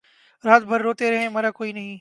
رات بھر روتے رہے مرا کوئی نہیں